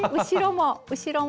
後ろも。